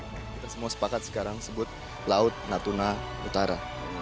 kita semua sepakat sekarang sebut laut natuna utara